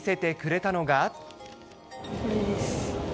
これです。